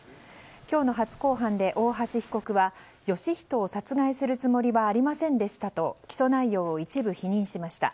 今日の初公判で大橋被告は芳人を殺害するつもりはありませんでしたと起訴内容を一部否認しました。